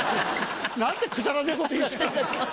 何てくだらねえこと言う。